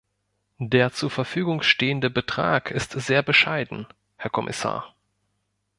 Der zur Verfügung stehende Betrag ist sehr bescheiden, Herr Kommissar.